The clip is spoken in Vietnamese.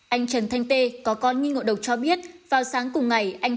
anh trần thanh tê có con nghi ngộ độc cho biết vào sáng cùng ngày anh